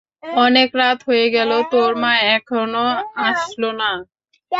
অনেক রাত হয়ে গেল, তোর মা এখনো আসলো না?